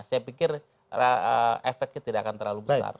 saya pikir efeknya tidak akan terlalu besar